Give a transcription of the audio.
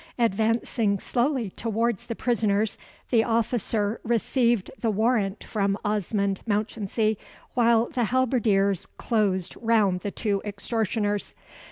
Advancing slowly towards the prisoners, the officer received the warrant from Osmond Mounchensey, while the halberdiers closed round the two extortioners.